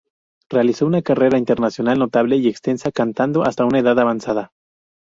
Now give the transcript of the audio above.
Realizó una carrera internacional notable y extensa, cantando hasta una edad avanzada.